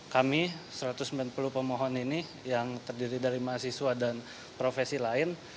kami satu ratus sembilan puluh pemohon ini yang terdiri dari mahasiswa dan profesi lain